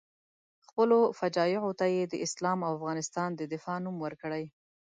خپلو فجایعو ته یې د اسلام او افغانستان د دفاع نوم ورکړی.